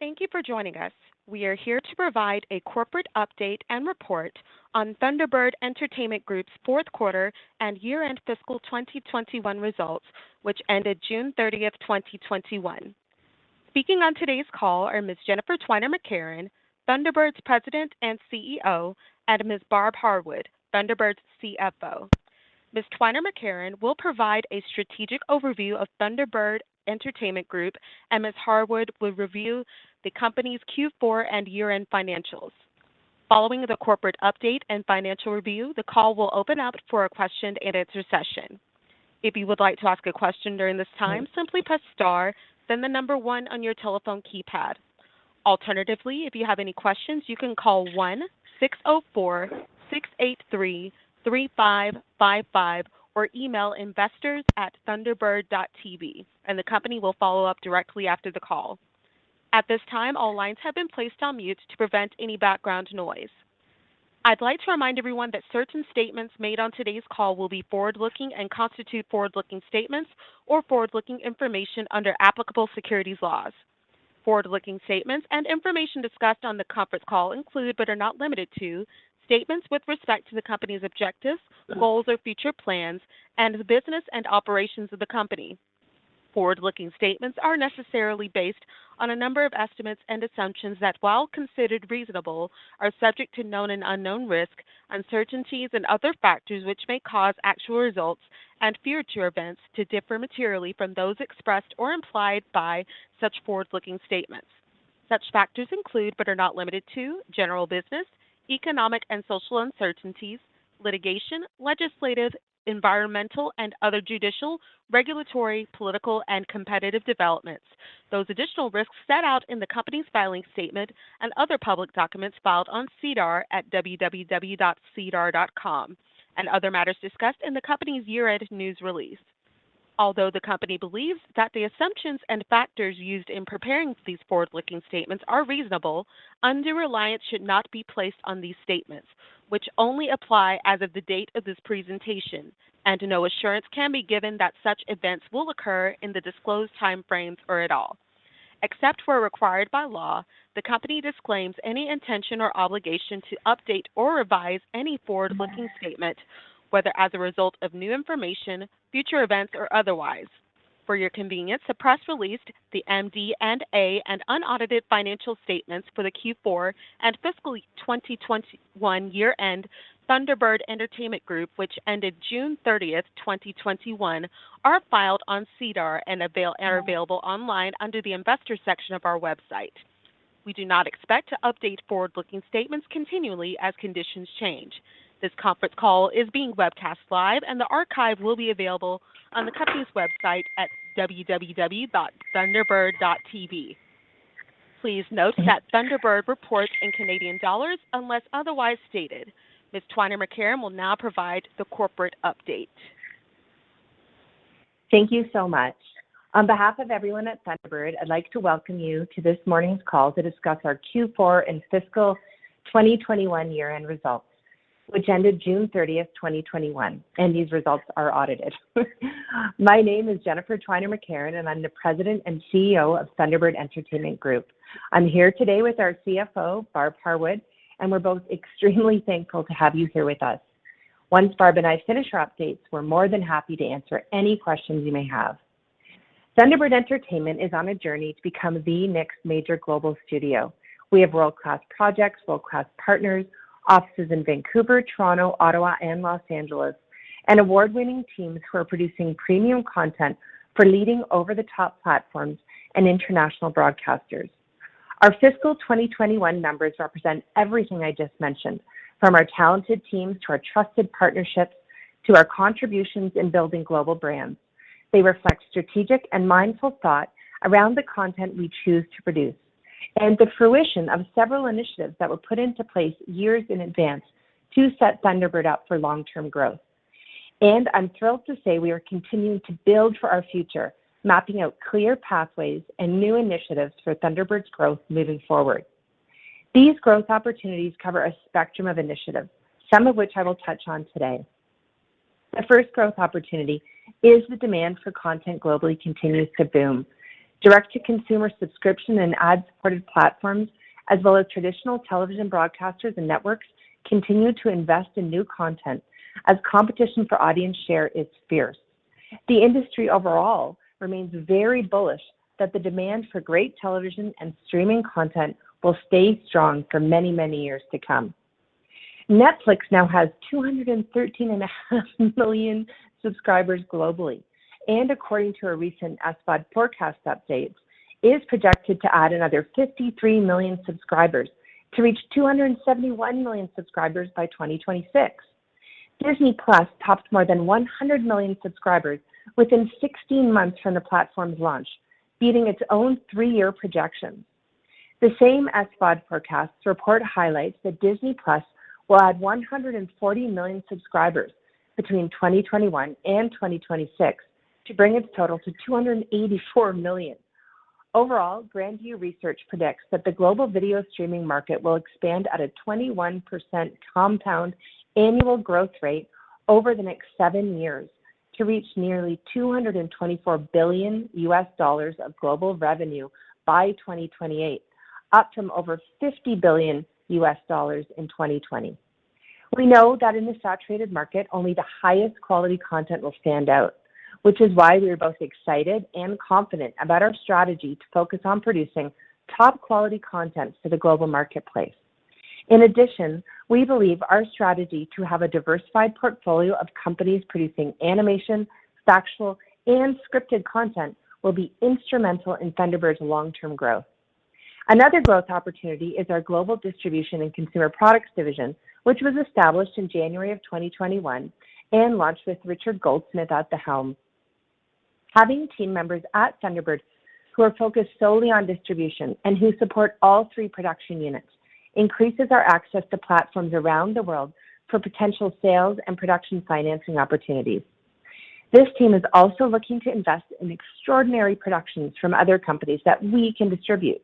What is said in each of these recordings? Thank you for joining us. We are here to provide a corporate update and report on Thunderbird Entertainment Group's fourth quarter and year-end fiscal 2021 results, which ended June 30th, 2021. Speaking on today's call are Ms. Jennifer Twiner McCarron, Thunderbird's President and CEO, and Ms. Barb Harwood, Thunderbird's CFO. Ms. Twiner McCarron will provide a strategic overview of Thunderbird Entertainment Group, and Ms. Harwood will review the company's Q4 and year-end financials. Following the corporate update and financial review, the call will open up for a question-and-answer session. If you would like to ask a question during this time, simply press star, then the number one on your telephone keypad. Alternatively, if you have any questions, you can call 1-604-683-3555, or email investors@thunderbird.tv, and the company will follow up directly after the call. At this time, all lines have been placed on mute to prevent any background noise. I'd like to remind everyone that certain statements made on today's call will be forward-looking and constitute forward-looking statements or forward-looking information under applicable securities laws. Forward-looking statements and information discussed on the conference call include, but are not limited to, statements with respect to the company's objectives, goals, or future plans, and the business and operations of the company. Forward-looking statements are necessarily based on a number of estimates and assumptions that, while considered reasonable, are subject to known and unknown risk, uncertainties, and other factors which may cause actual results and future events to differ materially from those expressed or implied by such forward-looking statements. Such factors include, but are not limited to, general business, economic and social uncertainties, litigation, legislative, environmental, and other judicial, regulatory, political, and competitive developments. Those additional risks set out in the company's filing statement and other public documents filed on SEDAR at www.sedar.com and other matters discussed in the company's year-end news release. Although the company believes that the assumptions and factors used in preparing these forward-looking statements are reasonable, undue reliance should not be placed on these statements, which only apply as of the date of this presentation, and no assurance can be given that such events will occur in the disclosed time frames or at all. Except where required by law, the company disclaims any intention or obligation to update or revise any forward-looking statement, whether as a result of new information, future events, or otherwise. For your convenience, the press release, the MD&A, and unaudited financial statements for the Q4 and fiscal 2021 year-end Thunderbird Entertainment Group, which ended June 30th, 2021, are filed on SEDAR and are available online under the Investors section of our website. We do not expect to update forward-looking statements continually as conditions change. This conference call is being webcast live and the archive will be available on the company's website at www.thunderbird.tv. Please note that Thunderbird reports in Canadian dollars unless otherwise stated. Ms. Twiner McCarron will now provide the corporate update. Thank you so much. On behalf of everyone at Thunderbird, I'd like to welcome you to this morning's call to discuss our Q4 and fiscal 2021 year-end results, which ended June 30th, 2021, and these results are audited. My name is Jennifer Twiner McCarron, and I'm the President and CEO of Thunderbird Entertainment Group. I'm here today with our CFO, Barb Harwood, and we're both extremely thankful to have you here with us. Once Barb and I finish our updates, we're more than happy to answer any questions you may have. Thunderbird Entertainment is on a journey to become the next major global studio. We have world-class projects, world-class partners, offices in Vancouver, Toronto, Ottawa, and Los Angeles, and award-winning teams who are producing premium content for leading over-the-top platforms and international broadcasters. Our fiscal 2021 numbers represent everything I just mentioned, from our talented teams to our trusted partnerships, to our contributions in building global brands. They reflect strategic and mindful thought around the content we choose to produce and the fruition of several initiatives that were put into place years in advance to set Thunderbird up for long-term growth. I'm thrilled to say we are continuing to build for our future, mapping out clear pathways and new initiatives for Thunderbird's growth moving forward. These growth opportunities cover a spectrum of initiatives, some of which I will touch on today. The first growth opportunity is the demand for content globally continues to boom. Direct to consumer subscription and ad-supported platforms, as well as traditional television broadcasters and networks, continue to invest in new content as competition for audience share is fierce. The industry overall remains very bullish that the demand for great television and streaming content will stay strong for many, many years to come. Netflix now has 213.5 million subscribers globally, and according to a recent SVOD forecasts update, is projected to add another 53 million subscribers to reach 271 million subscribers by 2026. Disney+ topped more than 100 million subscribers within 16 months from the platform's launch, beating its own three-year projection. The same SVOD forecasts report highlights that Disney+ will add 140 million subscribers between 2021 and 2026 to bring its total to 284 million. Overall, Grand View Research predicts that the global video streaming market will expand at a 21% compound annual growth rate over the next seven years. To reach nearly $224 billion of global revenue by 2028, up from over $50 billion in 2020. We know that in the saturated market, only the highest quality content will stand out, which is why we are both excited and confident about our strategy to focus on producing top quality content to the global marketplace. In addition, we believe our strategy to have a diversified portfolio of companies producing animation, factual, and scripted content will be instrumental in Thunderbird's long-term growth. Another growth opportunity is our global distribution and consumer products division, which was established in January of 2021 and launched with Richard Goldsmith at the helm. Having team members at Thunderbird who are focused solely on distribution and who support all three production units increases our access to platforms around the world for potential sales and production financing opportunities. This team is also looking to invest in extraordinary productions from other companies that we can distribute.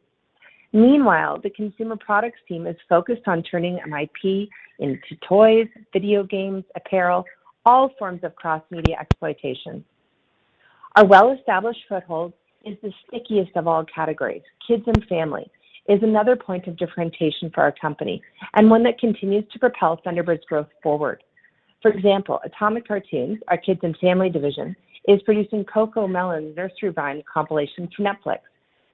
Meanwhile, the consumer products team is focused on turning IP into toys, video games, apparel, all forms of cross-media exploitation. Our well-established foothold is the stickiest of all categories. Kids and family is another point of differentiation for our company, and one that continues to propel Thunderbird's growth forward. For example, Atomic Cartoons, our kids and family division, is producing "CoComelon" nursery rhyme compilation for Netflix.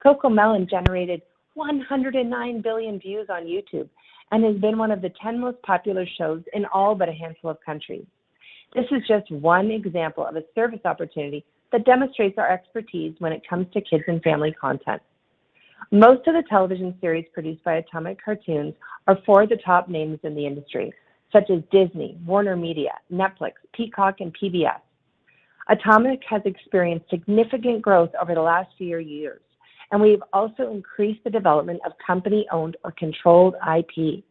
"CoComelon" generated 109 billion views on YouTube and has been one of the 10 most popular shows in all but a handful of countries. This is just one example of a service opportunity that demonstrates our expertise when it comes to kids and family content. Most of the television series produced by Atomic Cartoons are for the top names in the industry, such as Disney, WarnerMedia, Netflix, Peacock, and PBS. Atomic has experienced significant growth over the last several years, and we've also increased the development of company-owned or controlled IP.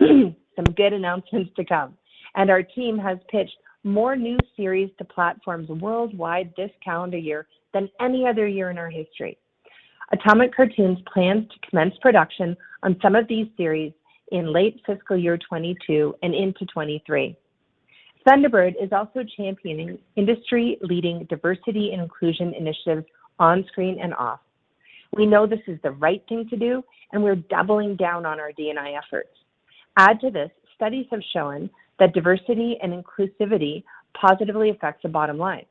Some good announcements to come. Our team has pitched more new series to platforms worldwide this calendar year than any other year in our history. Atomic Cartoons plans to commence production on some of these series in late fiscal year 2022 and into 2023. Thunderbird is also championing industry-leading diversity and inclusion initiatives on screen and off. We know this is the right thing to do, and we're doubling down on our D&I efforts. Add to this, studies have shown that diversity and inclusivity positively affects the bottom line.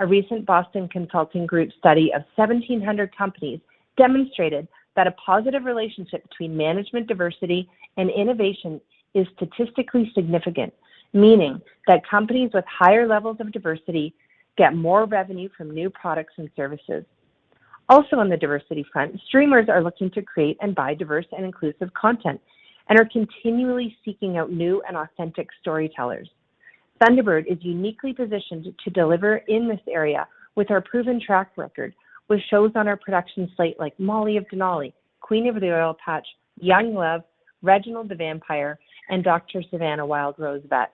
A recent Boston Consulting Group study of 1,700 companies demonstrated that a positive relationship between management diversity and innovation is statistically significant, meaning that companies with higher levels of diversity get more revenue from new products and services. Also on the diversity front, streamers are looking to create and buy diverse and inclusive content and are continually seeking out new and authentic storytellers. Thunderbird is uniquely positioned to deliver in this area with our proven track record with shows on our production slate like "Molly of Denali," "Queen of the Oil Patch," "Young Love," "Reginald the Vampire," and "Dr. Savannah: Wild Rose Vet."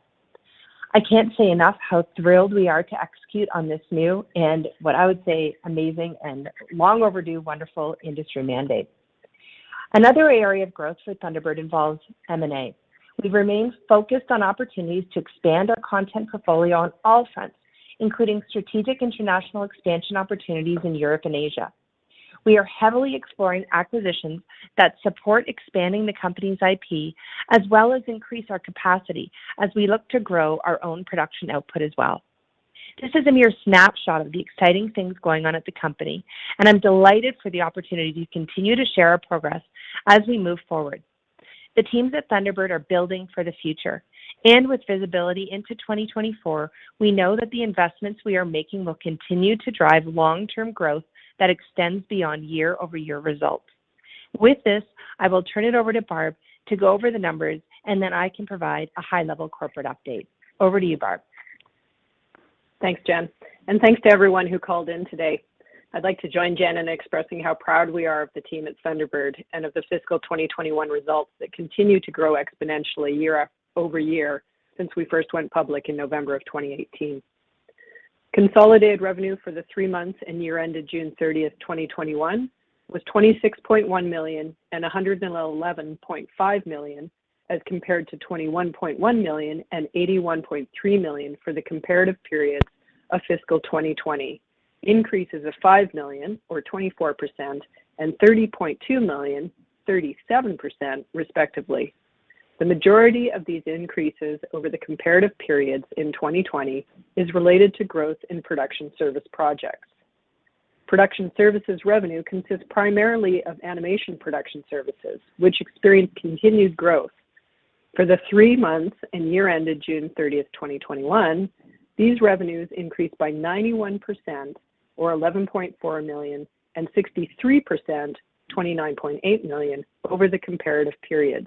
I can't say enough how thrilled we are to execute on this new and what I would say amazing and long overdue, wonderful industry mandate. Another area of growth for Thunderbird involves M&A. We remain focused on opportunities to expand our content portfolio on all fronts, including strategic international expansion opportunities in Europe and Asia. We are heavily exploring acquisitions that support expanding the company's IP, as well as increase our capacity as we look to grow our own production output as well. This is a mere snapshot of the exciting things going on at the company, and I'm delighted for the opportunity to continue to share our progress as we move forward. The teams at Thunderbird are building for the future. With visibility into 2024, we know that the investments we are making will continue to drive long-term growth that extends beyond year-over-year results. With this, I will turn it over to Barb to go over the numbers, and then I can provide a high-level corporate update. Over to you, Barb. Thanks, Jen. Thanks to everyone who called in today. I'd like to join Jen in expressing how proud we are of the team at Thunderbird and of the fiscal 2021 results that continue to grow exponentially year-over-year since we first went public in November 2018. Consolidated revenue for the three months and year ended June 30th, 2021, was 26.1 million and 111.5 million as compared to 21.1 million and 81.3 million for the comparative periods of fiscal 2020. Increases of 5 million or 24% and 30.2 million, 37% respectively. The majority of these increases over the comparative periods in 2020 is related to growth in production service projects. Production services revenue consists primarily of animation production services, which experienced continued growth. For the three months and year ended June 30th, 2021, these revenues increased by 91% or 11.4 million, and 63%, 29.8 million over the comparative periods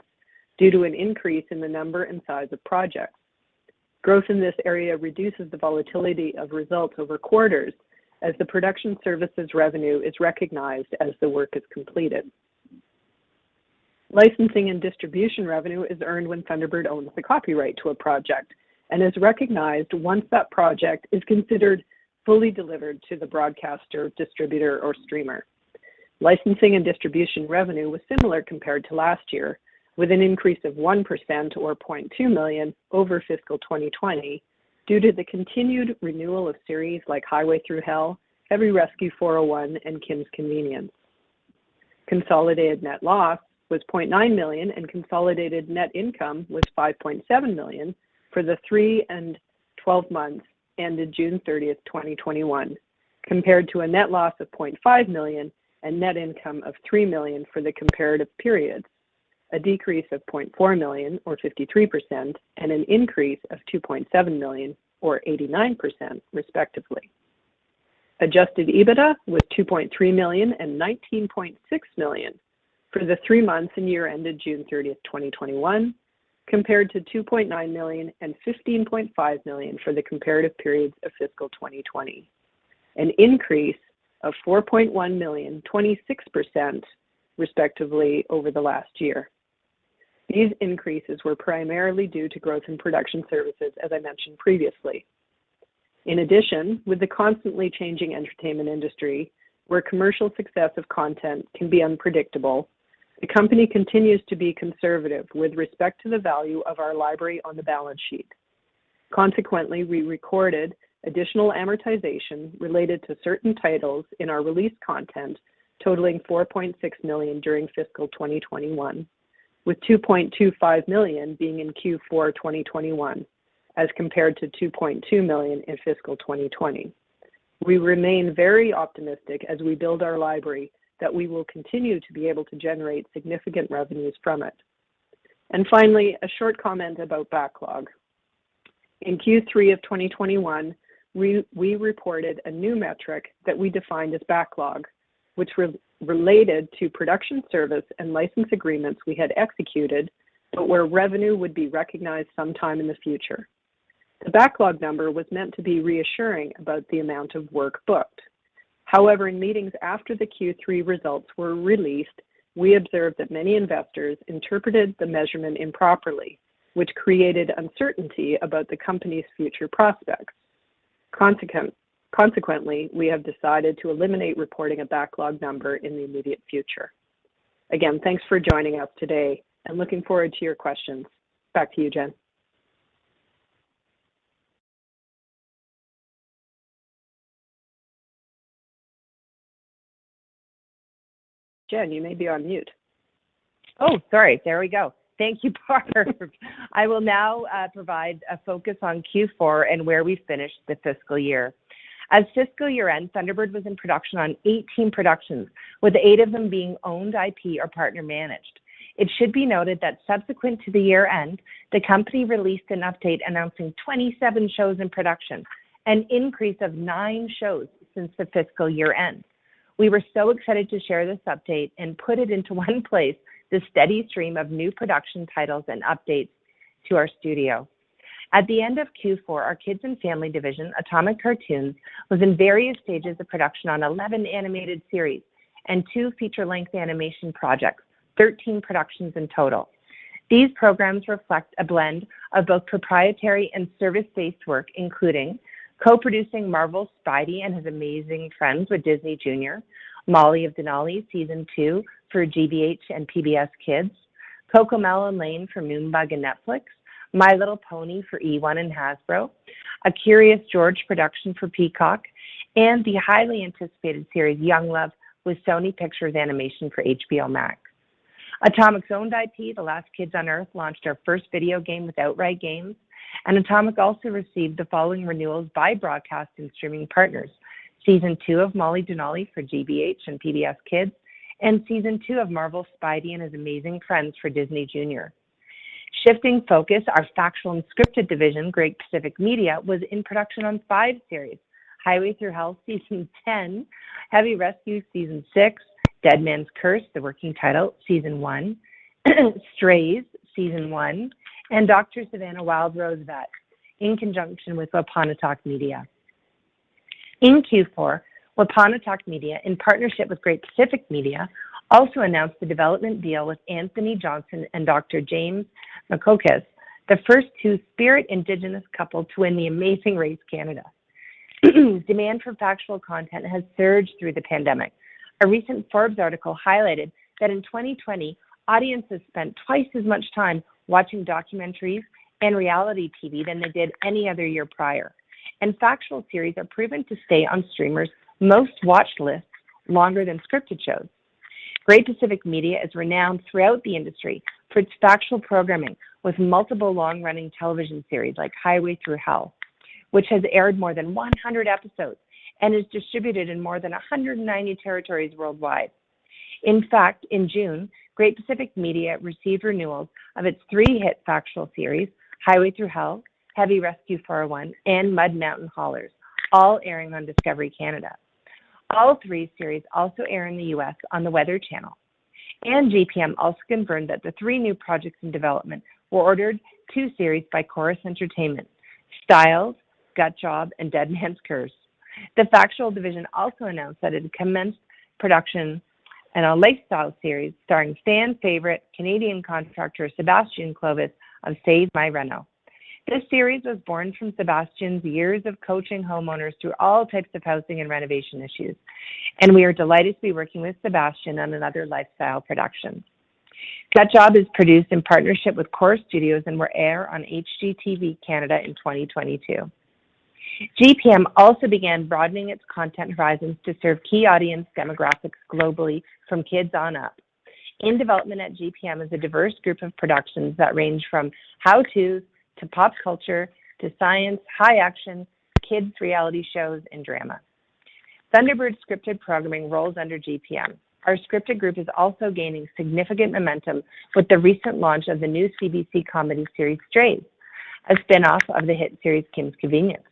due to an increase in the number and size of projects. Growth in this area reduces the volatility of results over quarters as the production services revenue is recognized as the work is completed. Licensing and distribution revenue is earned when Thunderbird owns the copyright to a project and is recognized once that project is considered fully delivered to the broadcaster, distributor, or streamer. Licensing and distribution revenue was similar compared to last year, with an increase of 1% or 0.2 million over fiscal 2020 due to the continued renewal of series like "Highway Thru Hell," "Heavy Rescue: 401," and "Kim's Convenience." Consolidated net loss was 0.9 million, and consolidated net income was 5.7 million for the three and 12 months ended June 30th, 2021, compared to a net loss of 0.5 million and net income of 3 million for the comparative periods, a decrease of 0.4 million or 53%, and an increase of 2.7 million or 89%, respectively. Adjusted EBITDA was 2.3 million and 19.6 million for the three months and year ended June 30th, 2021, compared to 2.9 million and 15.5 million for the comparative periods of fiscal 2020, an increase of 4.1 million, 26%, respectively, over the last year. These increases were primarily due to growth in production services, as I mentioned previously. In addition, with the constantly changing entertainment industry, where commercial success of content can be unpredictable, the company continues to be conservative with respect to the value of our library on the balance sheet. Consequently, we recorded additional amortization related to certain titles in our released content totaling 4.6 million during fiscal 2021, with 2.25 million being in Q4 2021 as compared to 2.2 million in fiscal 2020. We remain very optimistic as we build our library that we will continue to be able to generate significant revenues from it. Finally, a short comment about backlog. In Q3 of 2021, we reported a new metric that we defined as backlog, which related to production service and license agreements we had executed, but where revenue would be recognized sometime in the future. The backlog number was meant to be reassuring about the amount of work booked. In meetings after the Q3 results were released, we observed that many investors interpreted the measurement improperly, which created uncertainty about the company's future prospects. We have decided to eliminate reporting a backlog number in the immediate future. Thanks for joining us today and looking forward to your questions. Back to you, Jen. Jen, you may be on mute. Oh, sorry. There we go. Thank you, Barb. I will now provide a focus on Q4 and where we finished the fiscal year. At fiscal year-end, Thunderbird was in production on 18 productions, with eight of them being owned IP or partner managed. It should be noted that subsequent to the year-end, the company released an update announcing 27 shows in production, an increase of nine shows since the fiscal year-end. We were so excited to share this update and put it into one place, the steady stream of new production titles and updates to our studio. At the end of Q4, our kids and family division, Atomic Cartoons, was in various stages of production on 11 animated series and two feature-length animation projects, 13 productions in total. These programs reflect a blend of both proprietary and service-based work, including co-producing Marvel's "Spidey and His Amazing Friends" with Disney Junior, "Molly of Denali" Season 2 for GBH and PBS Kids, "CoComelon Lane" for Moonbug and Netflix, "My Little Pony" for eOne and Hasbro, a "Curious George" production for Peacock, and the highly anticipated series, "Young Love" with Sony Pictures Animation for HBO Max. Atomic's owned IP, "The Last Kids on Earth," launched our first video game with Outright Games. Atomic also received the following renewals by broadcast and streaming partners: Season 2 of "Molly of Denali" for GBH and PBS Kids, and Season 2 of Marvel's "Spidey and His Amazing Friends" for Disney Junior. Shifting focus, our factual and scripted division, Great Pacific Media, was in production on five series, "Highway Thru Hell" Season 10, "Heavy Rescue" Season 6, "Deadman's Curse," the working title, Season 1, "Strays" Season 1, and "Dr. Savannah: Wild Rose Vet" in conjunction with Wapanatahk Media. In Q4, Wapanatahk Media, in partnership with Great Pacific Media, also announced the development deal with Anthony Johnson and Dr. James Makokis, the first Two-Spirit Indigenous couple to win "The Amazing Race Canada." Demand for factual content has surged through the pandemic. A recent Forbes article highlighted that in 2020, audiences spent twice as much time watching documentaries and reality TV than they did any other year prior. Factual series are proven to stay on streamers' most watched lists longer than scripted shows. Great Pacific Media is renowned throughout the industry for its factual programming with multiple long-running television series like "Highway Thru Hell," which has aired more than 100 episodes and is distributed in more than 190 territories worldwide. In fact, in June, Great Pacific Media received renewals of its three hit factual series, "Highway Thru Hell," "Heavy Rescue: 401," and "Mud Mountain Haulers," all airing on Discovery Canada. All three series also air in the U.S. on The Weather Channel. GPM also confirmed that the three new projects in development were ordered two series by Corus Entertainment, "Styled," "Gut Job," and "Deadman's Curse." The factual division also announced that it commenced production on a lifestyle series starring fan favorite Canadian contractor, Sebastian Clovis, of "Save My Reno." This series was born from Sebastian's years of coaching homeowners through all types of housing and renovation issues, and we are delighted to be working with Sebastian on another lifestyle production. "Gut Job" is produced in partnership with Corus Studios and will air on HGTV Canada in 2022. GPM also began broadening its content horizons to serve key audience demographics globally from kids on up. In development at GPM is a diverse group of productions that range from how-tos to pop culture to science, high action, kids' reality shows, and drama. Thunderbird scripted programming rolls under GPM. Our scripted group is also gaining significant momentum with the recent launch of the new CBC comedy series, "Strays," a spinoff of the hit series "Kim's Convenience,"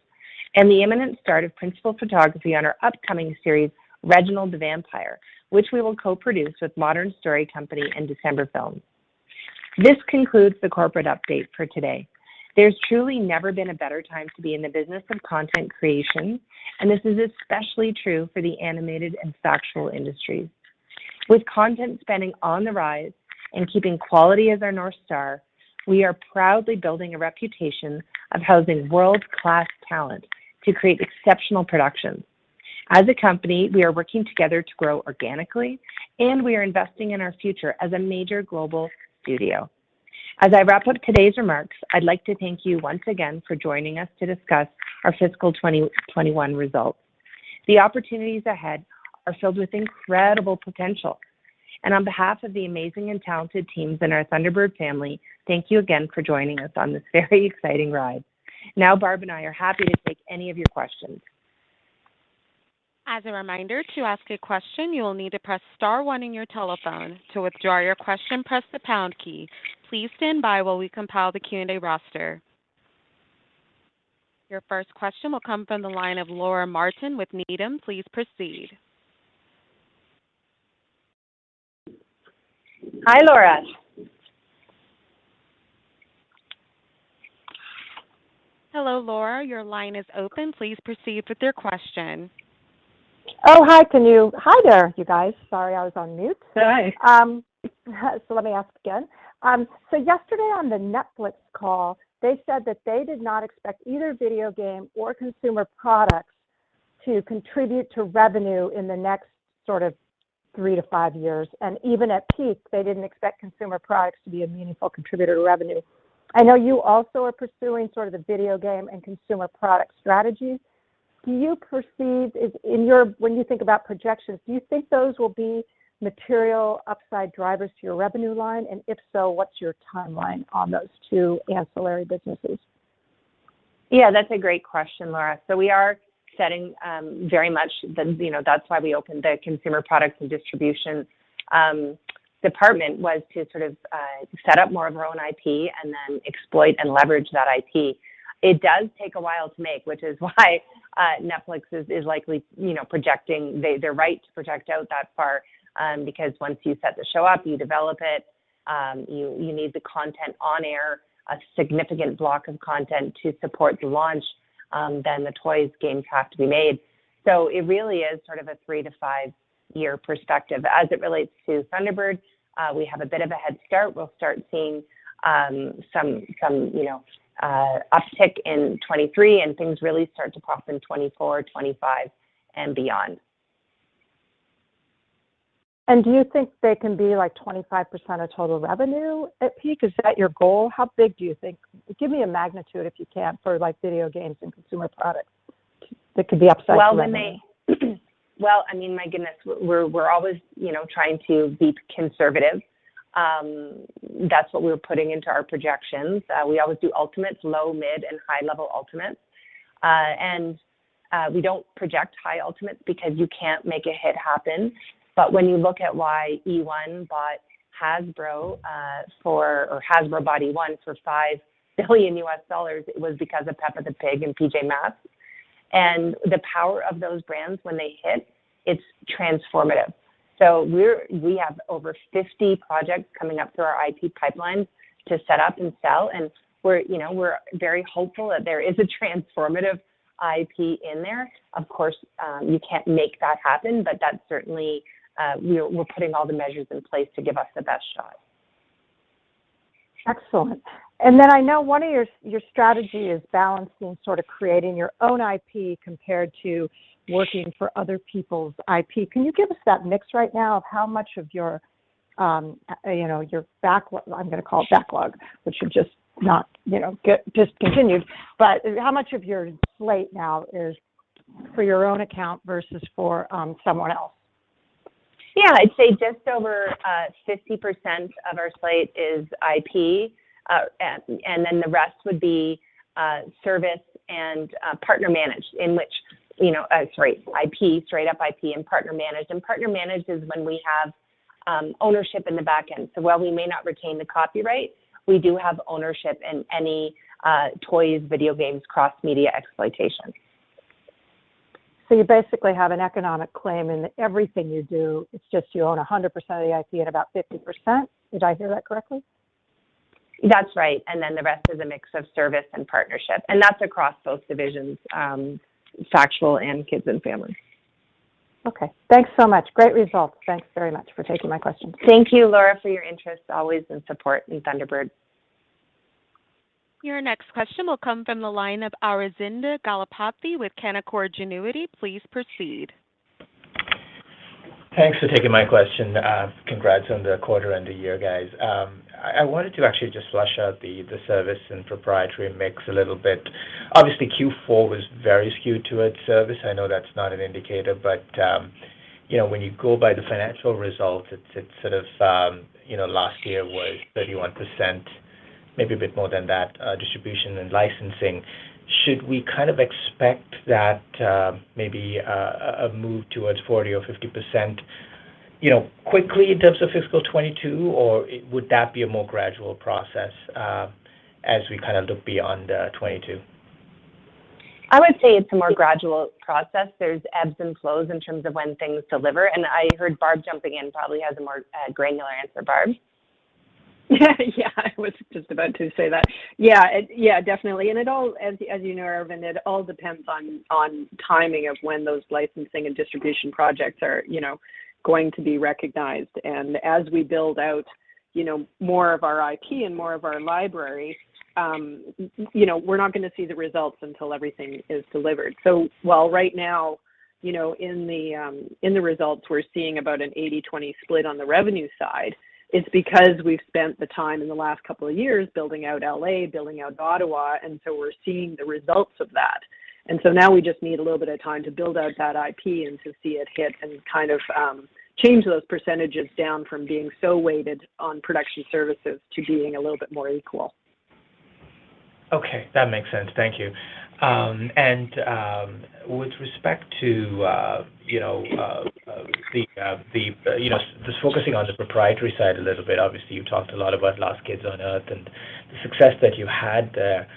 and the imminent start of principal photography on our upcoming series, "Reginald the Vampire," which we will co-produce with Modern Story Company and December Films. This concludes the corporate update for today. There's truly never been a better time to be in the business of content creation, and this is especially true for the animated and factual industries. With content spending on the rise, and keeping quality as our North Star, we are proudly building a reputation of housing world-class talent to create exceptional productions. As a company, we are working together to grow organically, and we are investing in our future as a major global studio. As I wrap up today's remarks, I'd like to thank you once again for joining us to discuss our fiscal 2021 results. The opportunities ahead are filled with incredible potential, and on behalf of the amazing and talented teams in our Thunderbird family, thank you again for joining us on this very exciting ride. Now Barb and I are happy to take any of your questions. As a reminder, to ask a question, you will need to press star one on your telephone. To withdraw your question, press the pound key. Please stand by while we compile the Q&A roster. Your first question will come from the line of Laura Martin with Needham. Please proceed. Hi, Laura. Hello, Laura. Your line is open. Please proceed with your question. Oh, hi. Hi there, you guys. Sorry, I was on mute. Hi. Let me ask again. Yesterday on the Netflix call, they said that they did not expect either video game or consumer products to contribute to revenue in the next sort of three to five years. Even at peak, they didn't expect consumer products to be a meaningful contributor to revenue. I know you also are pursuing sort of the video game and consumer product strategy. When you think about projections, do you think those will be material upside drivers to your revenue line? If so, what's your timeline on those two ancillary businesses? That's a great question, Laura. We are setting very much, that's why we opened the consumer products and distribution department, was to sort of set up more of our own IP and then exploit and leverage that IP. It does take a while to make, which is why Netflix is likely projecting, they're right to project out that far, because once you set the show up, you develop it, you need the content on air, a significant block of content to support the launch, then the toys, games have to be made. It really is sort of a three-to-five-year perspective. As it relates to Thunderbird, we have a bit of a head start. We'll start seeing some uptick in 2023, and things really start to pop in 2024, 2025, and beyond. Do you think they can be like 25% of total revenue at peak? Is that your goal? How big do you think? Give me a magnitude, if you can, for video games and consumer products that could be upside to revenue. Well, my goodness, we're always trying to be conservative. That's what we're putting into our projections. We always do ultimates, low, mid, and high-level ultimates. We don't project high ultimates because you can't make a hit happen. When you look at why eOne bought Hasbro, or Hasbro bought eOne for $5 billion, it was because of "Peppa Pig" and "PJ Masks." The power of those brands when they hit, it's transformative. We have over 50 projects coming up through our IP pipeline to set up and sell, and we're very hopeful that there is a transformative IP in there. Of course, you can't make that happen, but that's certainly, we're putting all the measures in place to give us the best shot. Excellent. I know one of your strategy is balancing sort of creating your own IP compared to working for other people's IP. Can you give us that mix right now of how much of your backlog, which is just continued, but how much of your slate now is for your own account versus for someone else? I'd say just over 50% of our slate is IP, and then the rest would be service, and partner managed, in which IP, straight up IP, and partner managed. Partner managed is when we have ownership in the back end. While we may not retain the copyright, we do have ownership in any toys, video games, cross-media exploitation. You basically have an economic claim in everything you do, it's just you own 100% of the IP and about 50%? Did I hear that correctly? That's right. The rest is a mix of service and partnership, and that's across both divisions, factual and kids and family. Okay. Thanks so much. Great results. Thanks very much for taking my question. Thank you, Laura, for your interest always, and support in Thunderbird. Your next question will come from the line of Aravinda Galappatthige with Canaccord Genuity. Please proceed. Thanks for taking my question. Congrats on the quarter and the year, guys. I wanted to actually just flush out the service and proprietary mix a little bit. Obviously Q4 was very skewed towards service. I know that's not an indicator, but when you go by the financial results, it's last year was 31%, maybe a bit more than that, distribution and licensing. Should we expect that maybe a move towards 40%-50% quickly in terms of fiscal 2022, or would that be a more gradual process as we look beyond 2022? I would say it's a more gradual process. There's ebbs and flows in terms of when things deliver, and I heard Barb jumping in, probably has a more granular answer. Barb? I was just about to say that. Definitely. It all, as you know, Aravinda, it all depends on timing of when those licensing and distribution projects are going to be recognized. As we build out more of our IP and more of our library, we are not going to see the results until everything is delivered. While right now, in the results we are seeing about an 80/20 split on the revenue side, it is because we have spent the time in the last couple of years building out L.A., building out Ottawa, we are seeing the results of that. Now we just need a little bit of time to build out that IP and to see it hit and change those percentages down from being so weighted on production services to being a little bit more equal. Okay. That makes sense. Thank you. With respect to just focusing on the proprietary side a little bit, obviously you've talked a lot about "The Last Kids on Earth" and the success that you had there.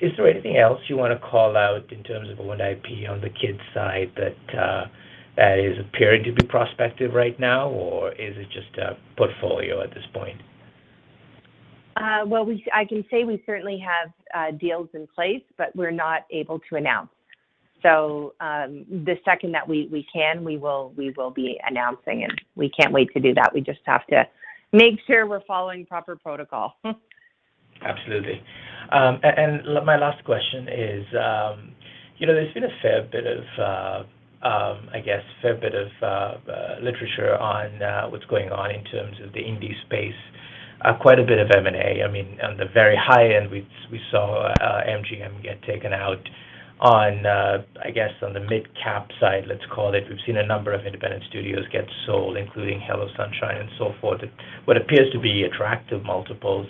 Is there anything else you want to call out in terms of IP on the kids' side that is appearing to be prospective right now, or is it just a portfolio at this point? I can say we certainly have deals in place, but we're not able to announce. The second that we can, we will be announcing, and we can't wait to do that. We just have to make sure we're following proper protocol. Absolutely. My last question is there's been a fair bit of literature on what's going on in terms of the indie space. Quite a bit of M&A. On the very high end, we saw MGM get taken out. On the mid-cap side, let's call it, we've seen a number of independent studios get sold, including Hello Sunshine and so forth at what appears to be attractive multiples.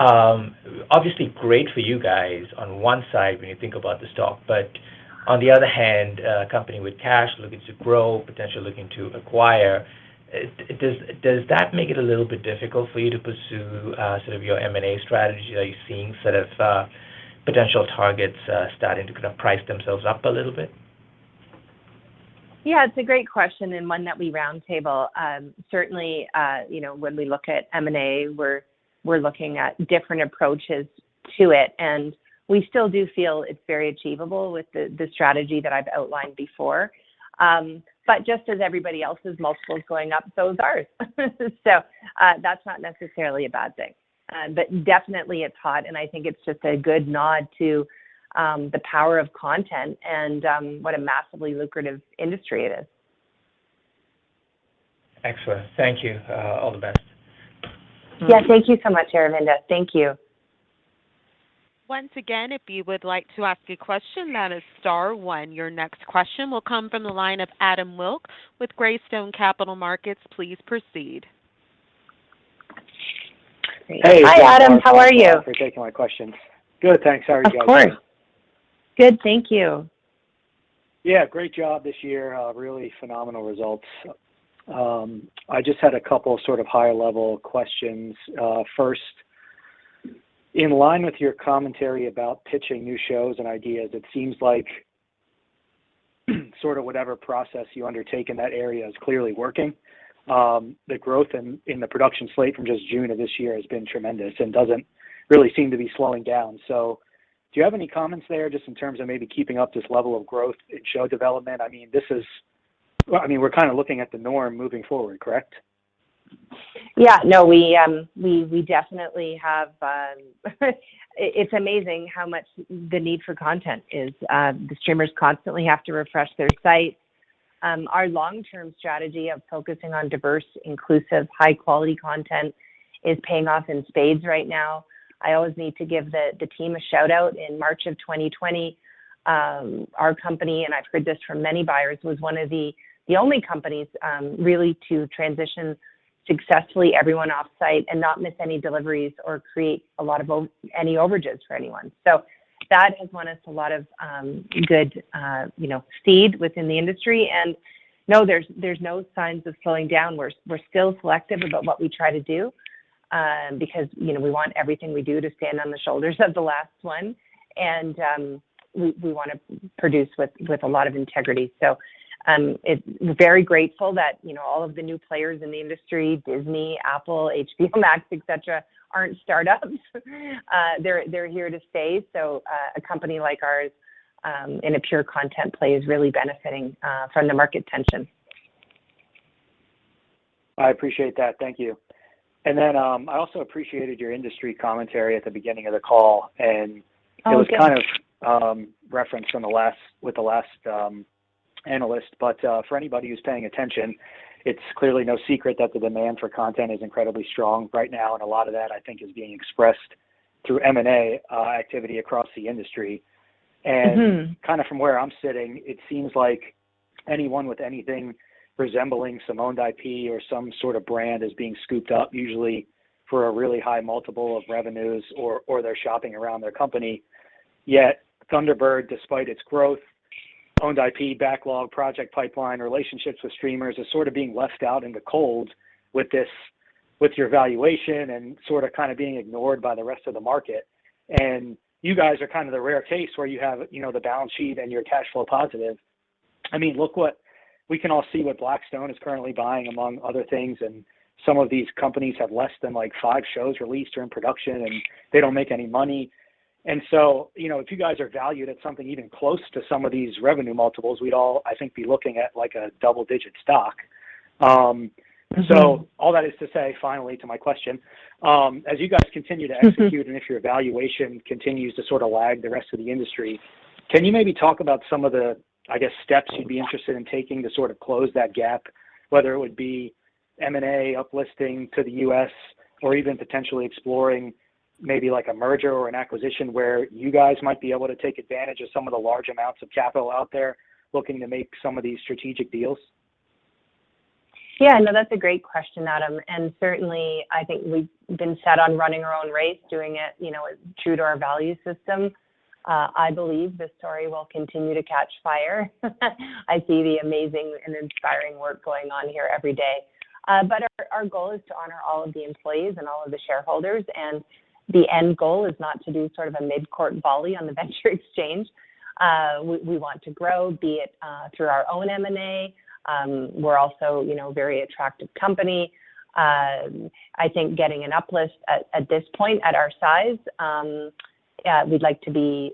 Obviously great for you guys on one side when you think about the stock, but on the other hand, a company with cash looking to grow, potentially looking to acquire. Does that make it a little bit difficult for you to pursue your M&A strategy? Are you seeing potential targets starting to price themselves up a little bit? Yeah. It's a great question and one that we roundtable. Certainly, when we look at M&A, we're looking at different approaches to it, and we still do feel it's very achievable with the strategy that I've outlined before. Just as everybody else's multiples going up, so is ours. That's not necessarily a bad thing. Definitely it's hot, and I think it's just a good nod to the power of content and what a massively lucrative industry it is. Excellent. Thank you. All the best. Yeah. Thank you so much, Aravinda. Thank you. Once again, if you would like to ask a question, that is star one. Your next question will come from the line of Adam Wilk with Greystone Capital Markets. Please proceed. Hey. Hi, Adam. How are you? Thanks a lot for taking my questions. Good, thanks. How are you guys? Of course. Good, thank you. Yeah, great job this year. Really phenomenal results. I just had a couple high-level questions. First, in line with your commentary about pitching new shows and ideas, it seems like whatever process you undertake in that area is clearly working. The growth in the production slate from just June of this year has been tremendous and doesn't really seem to be slowing down. Do you have any comments there, just in terms of maybe keeping up this level of growth in show development? We're kind of looking at the norm moving forward, correct? Yeah. It's amazing how much the need for content is. The streamers constantly have to refresh their sites. Our long-term strategy of focusing on diverse, inclusive, high-quality content is paying off in spades right now. I always need to give the team a shout-out. In March of 2020, our company, and I've heard this from many buyers, was one of the only companies really to transition successfully everyone off-site and not miss any deliveries or create any overages for anyone. That has won us a lot of good stead within the industry. No, there's no signs of slowing down. We're still selective about what we try to do, because we want everything we do to stand on the shoulders of the last one, and we want to produce with a lot of integrity. Very grateful that all of the new players in the industry, Disney, Apple, HBO Max, et cetera, aren't startups. They're here to stay. A company like ours in a pure content play is really benefiting from the market tension. I appreciate that. Thank you. I also appreciated your industry commentary at the beginning of the call. Oh, good. It was kind of referenced with the last analyst, but for anybody who's paying attention, it's clearly no secret that the demand for content is incredibly strong right now, and a lot of that, I think, is being expressed through M&A activity across the industry. From where I'm sitting, it seems like anyone with anything resembling some owned IP or some sort of brand is being scooped up, usually for a really high multiple of revenues or they're shopping around their company. Yet Thunderbird, despite its growth, owned IP backlog, project pipeline, relationships with streamers, is sort of being left out in the cold with your valuation and sort of being ignored by the rest of the market. You guys are the rare case where you have the balance sheet and you're cash flow positive. We can all see what Blackstone is currently buying, among other things, and some of these companies have less than five shows released or in production, and they don't make any money. If you guys are valued at something even close to some of these revenue multiples, we'd all, I think, be looking at a double-digit stock. All that is to say, finally, to my question, as you guys continue to execute. If your valuation continues to lag the rest of the industry, can you maybe talk about some of the, I guess, steps you'd be interested in taking to close that gap, whether it would be M&A, up-listing to the U.S., or even potentially exploring maybe a merger or an acquisition where you guys might be able to take advantage of some of the large amounts of capital out there looking to make some of these strategic deals? Yeah, no, that's a great question, Adam. Certainly, I think we've been set on running our own race, doing it true to our value system. I believe the story will continue to catch fire. I see the amazing and inspiring work going on here every day. Our goal is to honor all of the employees and all of the shareholders, and the end goal is not to do sort of a mid-court volley on the venture exchange. We want to grow, be it through our own M&A. We're also a very attractive company. I think getting an up-list at this point, at our size, we'd like to be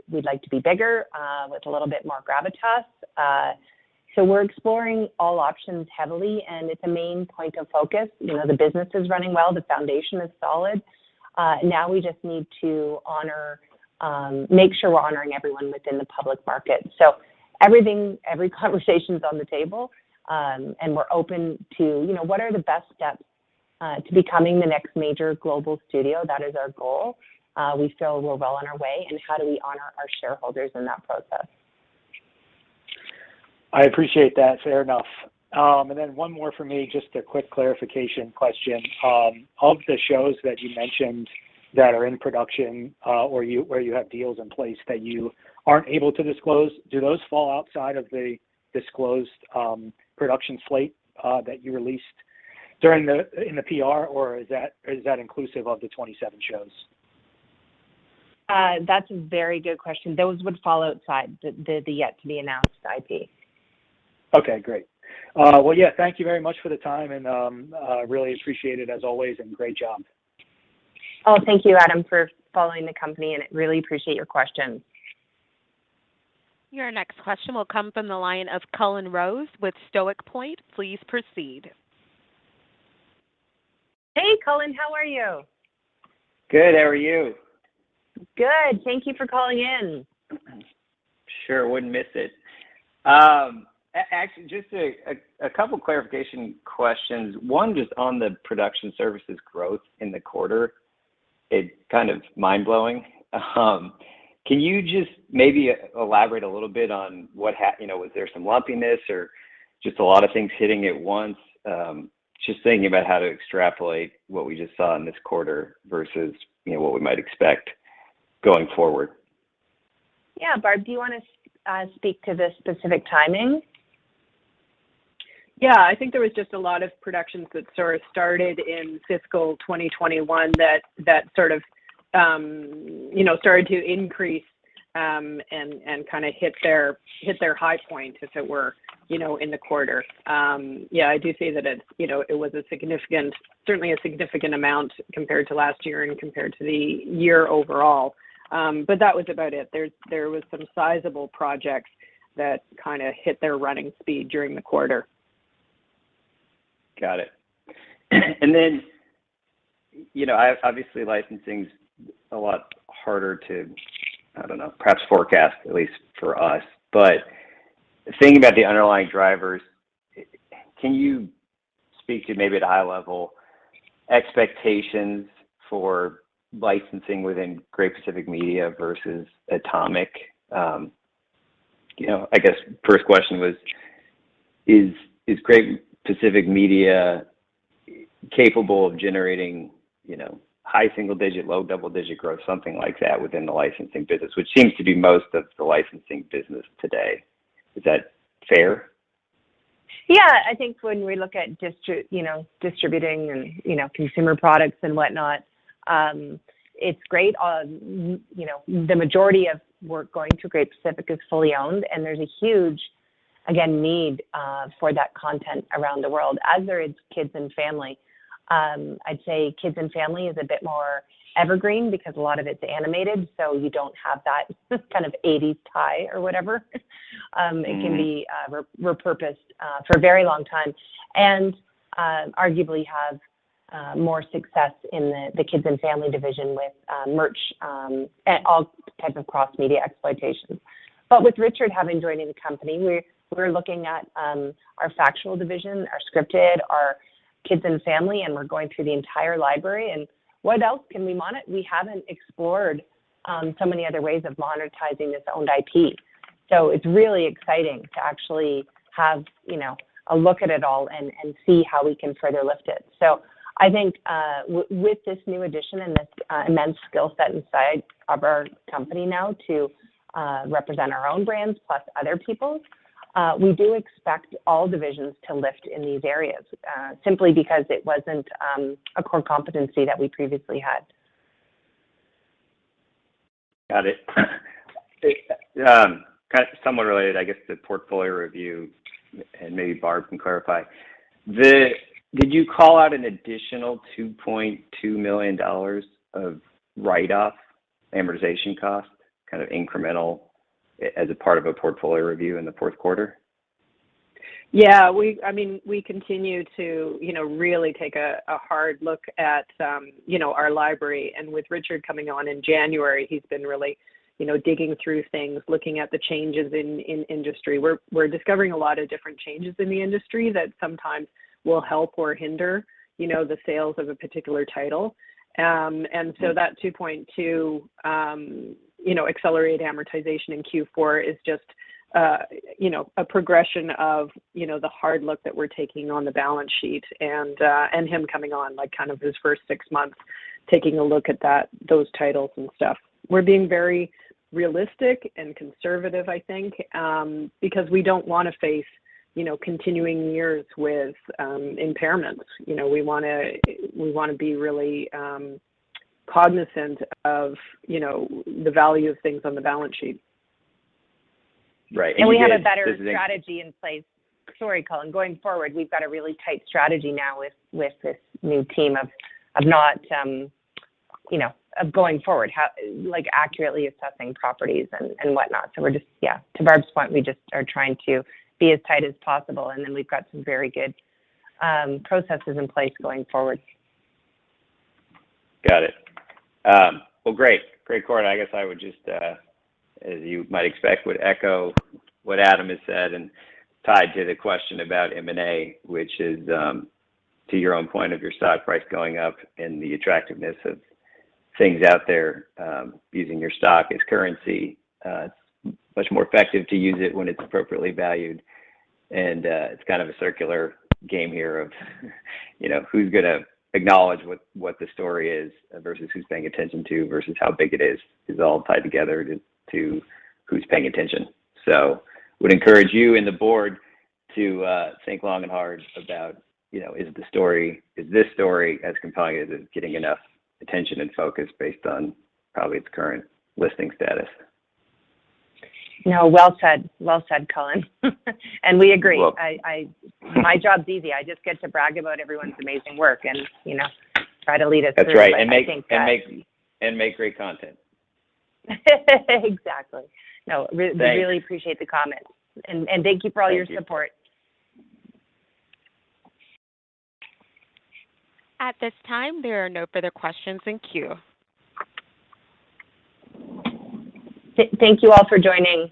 bigger with a little bit more gravitas. We're exploring all options heavily, and it's a main point of focus. The business is running well. The foundation is solid. Now we just need to make sure we're honoring everyone within the public market. Every conversations on the table, and we're open to what are the best steps to becoming the next major global studio. That is our goal. We feel we're well on our way, and how do we honor our shareholders in that process? I appreciate that. Fair enough. One more from me, just a quick clarification question. Of the shows that you mentioned that are in production, where you have deals in place that you aren't able to disclose, do those fall outside of the disclosed production slate that you released in the PR, or is that inclusive of the 27 shows? That's a very good question. Those would fall outside the yet to be announced IP. Okay, great. Well, yeah, thank you very much for the time, and really appreciate it as always, and great job. Oh, thank you, Adam, for following the company, and really appreciate your questions. Your next question will come from the line of Cullen Rose with Stoic Point. Please proceed. Hey, Cullen. How are you? Good, how are you? Good. Thank you for calling in. Sure, wouldn't miss it. Actually, just a couple clarification questions. One, just on the production services growth in the quarter. It's kind of mind-blowing. Can you just maybe elaborate a little bit on was there some lumpiness or just a lot of things hitting at once? Just thinking about how to extrapolate what we just saw in this quarter versus what we might expect going forward. Yeah. Barb, do you want to speak to the specific timing? Yeah, I think there was just a lot of productions that sort of started in fiscal 2021 that sort of started to increase, and hit their high point, as it were, in the quarter. Yeah, I do see that it was certainly a significant amount compared to last year and compared to the year overall. That was about it. There was some sizable projects that hit their running speed during the quarter. Got it. Obviously, licensing's a lot harder to, I don't know, perhaps forecast, at least for us. Thinking about the underlying drivers, can you speak to, maybe at a high level, expectations for licensing within Great Pacific Media versus Atomic? I guess first question was, is Great Pacific Media capable of generating high single digit, low double-digit growth, something like that within the licensing business? Which seems to be most of the licensing business today. Is that fair? I think when we look at distributing and consumer products and whatnot, it's great. The majority of work going to Great Pacific Media is fully owned, and there's a huge, again, need for that content around the world, as are its kids and family. I'd say kids and family is a bit more evergreen because a lot of its animated, so you don't have that kind of 1980s tie or whatever. It can be repurposed for a very long time. Arguably have more success in the Kids and Family division with merch, all types of cross-media exploitation. With Richard having joined the company, we're looking at our factual division, our scripted, our Kids and Family, and we're going through the entire library. We haven't explored so many other ways of monetizing this owned IP. It's really exciting to actually have a look at it all and see how we can further lift it. I think with this new addition and this immense skill set inside of our company now to represent our own brands plus other people's, we do expect all divisions to lift in these areas. Simply because it wasn't a core competency that we previously had. Got it. Kind of somewhat related, I guess, the portfolio review, and maybe Barb can clarify. Did you call out an additional 2.2 million dollars of write-off amortization cost, kind of incremental as a part of a portfolio review in the fourth quarter? Yeah. We continue to really take a hard look at our library. With Richard coming on in January, he's been really digging through things, looking at the changes in industry. We're discovering a lot of different changes in the industry that sometimes will help or hinder the sales of a particular title. That 2.2 accelerate amortization in Q4 is just a progression of the hard look that we're taking on the balance sheet and him coming on, kind of his first six months, taking a look at those titles and stuff. We're being very realistic and conservative, I think, because we don't want to face continuing years with impairments. We want to be really cognizant of the value of things on the balance sheet. Right. We have a better strategy in place. Sorry, Cullen. Going forward, we've got a really tight strategy now with this new team of going forward, accurately assessing properties and whatnot. We're just, yeah. To Barb's point, we just are trying to be as tight as possible, and then we've got some very good processes in place going forward. Got it. Well, great. Great quarter. I guess I would just, as you might expect, would echo what Adam has said and tied to the question about M&A, which is to your own point of your stock price going up and the attractiveness of things out there, using your stock as currency. It's much more effective to use it when it's appropriately valued. It's kind of a circular game here of who's going to acknowledge what the story is versus who's paying attention to versus how big it is. It's all tied together to who's paying attention. Would encourage you and the board to think long and hard about is this story as compelling, is it getting enough attention and focus based on probably its current listing status? No. Well said. Well said, Cullen. We agree. Well. My job's easy. I just get to brag about everyone's amazing work and try to lead us through. That's right. I think that. Make great content. Exactly. No. Thanks. We really appreciate the comments and thank you for all your support. Thank you. At this time, there are no further questions in queue. Thank you all for joining.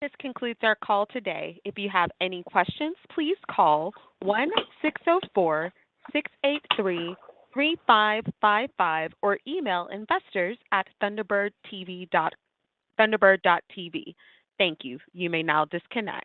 This concludes our call today. If you have any questions, please call 1-604-683-3555 or email investors@thunderbird.tv. Thank you. You may now disconnect.